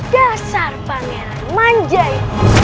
dasar pangeran manjai